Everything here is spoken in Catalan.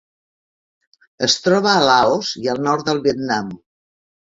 Es troba a Laos i al nord del Vietnam.